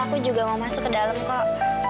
aku juga mau masuk ke dalam kok